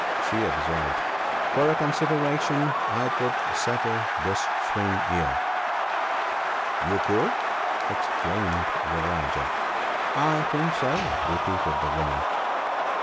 " she observed, " for a consideration I could settle this Swing ear." " You could !" exclaimed the Rajah. " I think so !" repeated the woman.